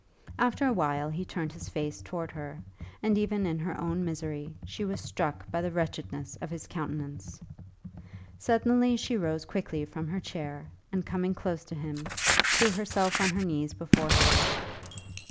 After a while he turned his face towards her, and even in her own misery she was stricken by the wretchedness of his countenance. Suddenly she rose quickly from her chair, and coming close to him, threw herself on her knees before him.